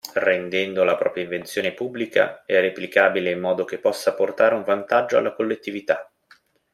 Rendendo la propria invenzione pubblica e replicabile in modo che possa portare un vantaggio alla collettività.